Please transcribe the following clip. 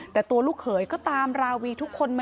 แต่ตัวลูกเขยก็ตามราวีทุกคนมา